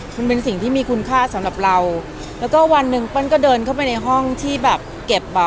มันเป็นสิ่งที่มีคุณค่าสำหรับเราแล้วก็วันหนึ่งเปิ้ลก็เดินเข้าไปในห้องที่แบบเก็บอ่ะ